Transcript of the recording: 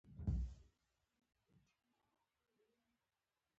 د بایسکل څراغونه په شپه کې ضروری دي.